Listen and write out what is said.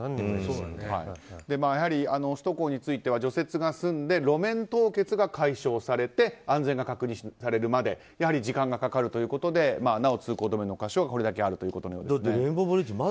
首都高については除雪が済んで路面凍結が解消されて安全が確認されるまで時間がかかるということでなお通行止めの箇所がこれだけあるレインボーブリッジ